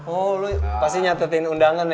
oh lu pasti nyatetin undangan ya